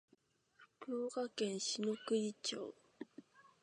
福岡県篠栗町